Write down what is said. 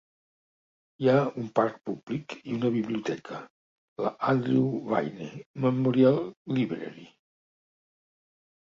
Hi ha un parc públic i una biblioteca, la Andrew Bayne Memorial Library.